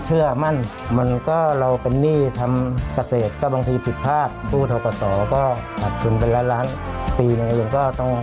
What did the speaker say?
เรื่องธองนกคุณศักดิ์สิทธิ์เป็นยังไงบ้างครับลุง